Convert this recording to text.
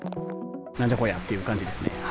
なんじゃこりゃっていう感じですね。